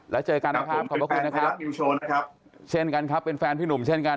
แล้วเจอกันนะครับขอบพระคุณนะครับเช่นกันครับเป็นแฟนพี่หนุ่มเช่นกัน